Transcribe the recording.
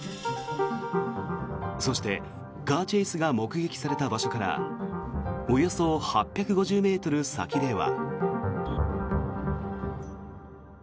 そして、カーチェイスが目撃された場所からおよそ８５０ｍ先では。